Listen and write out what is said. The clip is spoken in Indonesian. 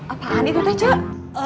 apaan itu tuh cuk